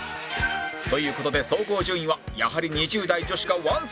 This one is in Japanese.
という事で総合順位はやはり２０代女子が１２